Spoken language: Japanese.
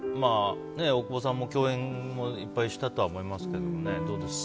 大久保さんも共演いっぱいしたと思いますけど、どうですか。